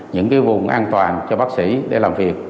những vùng an toàn cho bác sĩ để làm việc